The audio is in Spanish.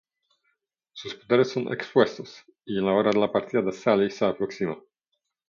Sus poderes son expuestos, y la hora de la partida de Sally se aproxima.